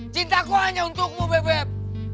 cintaku hanya untukmu bebep